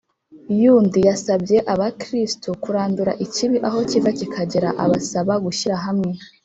y’undi. yasabye abakristu kurandura ikibi aho kiva kikagera, abasaba gushyira hamwe